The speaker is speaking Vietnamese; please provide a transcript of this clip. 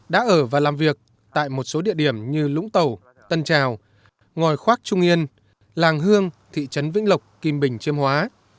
đã ở và làm việc tại một số địa điểm như lũng tẩu tân trào ngòi khoác trung yên làng hương thị trấn vĩnh lộc kim bình chiêm hóa